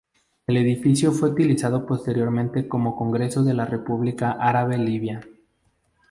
El edificio fue utilizado posteriormente como Congreso de la República Árabe Libia.